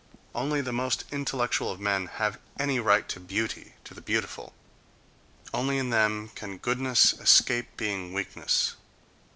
Only the most intellectual of men have any right to beauty, to the beautiful; only in them can goodness escape being weakness.